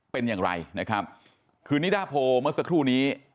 เป็นอย่างไรนะครับคือนิดาโพเมื่อสักครู่นี้